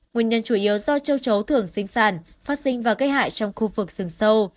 nguyên nhân chủ yếu do châu chấu thường sinh sản phát sinh và gây hại trong khu vực rừng sâu